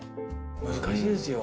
難しいですよ。